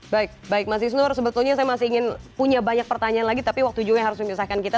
baik baik mas isnur sebetulnya saya masih ingin punya banyak pertanyaan lagi tapi waktu juga yang harus memisahkan kita